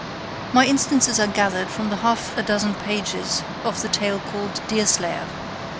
My instances are gathered from half a dozen pages of the tale called Deerslayer.